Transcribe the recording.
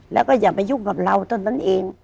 แล้วก็อย่าไปยุ่งกับเราเท่านั้นเอง